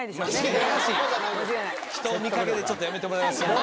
人を見掛けでちょっとやめてもらえませんか。